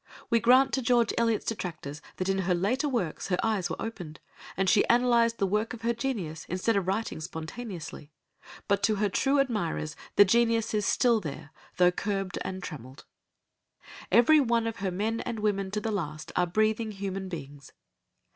We grant to George Eliot's detractors that in her later works her eyes were opened, and she analysed the work of her genius instead of writing spontaneously, but to her true admirers the genius is still there, though curbed and trammelled. Every one of her men and women to the last are breathing human beings.